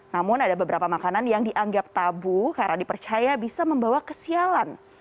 namun ada beberapa makanan yang dianggap tabu karena dipercaya bisa membawa kesialan